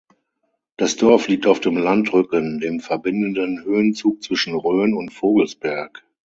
Das Dorf liegt auf dem Landrücken, dem verbindenden Höhenzug zwischen Rhön und Vogelsberg.